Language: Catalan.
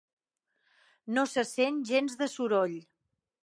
No se sent gens de soroll.